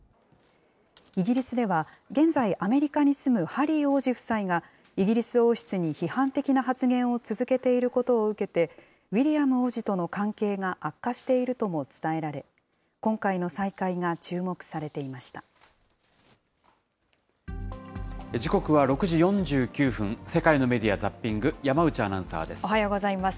イギリスでは、現在、アメリカに住むハリー王子夫妻が、イギリス王室に批判的な発言を続けていることを受けて、ウィリアム王子との関係が悪化しているとも伝えられ、今回の再会が注目さ時刻は６時４９分、世界のメディア・ザッピング、山内アナウンサーです。